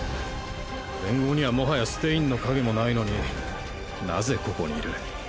連合には最早ステインの影もないのに何故ここにいる。